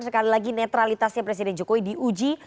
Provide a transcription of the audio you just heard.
sekali lagi netralitasnya presiden jokowi diuji